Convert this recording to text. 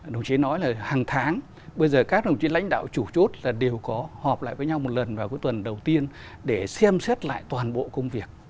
đồng chí nói là hàng tháng bây giờ các đồng chí lãnh đạo chủ chốt đều có họp lại với nhau một lần vào tuần đầu tiên để xem xét lại toàn bộ công việc